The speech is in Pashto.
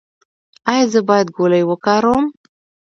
ایا زه باید ګولۍ وکاروم؟